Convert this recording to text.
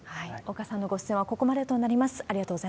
岡さんのご出演はここまでとなります。